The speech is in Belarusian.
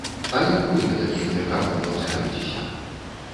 І як вы да такіх меркаванняў ставіцеся?